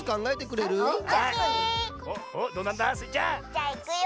じゃあいくよ！